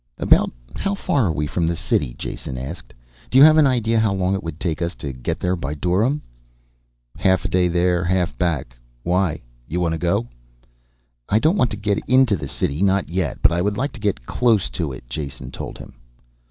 "About how far are we from the city?" Jason asked. "Do you have an idea how long it would take us to get there by dorym?" "Half a day there half back. Why? Y'want to go?" "I don't want to get into the city, not yet. But I would like to get close to it," Jason told him.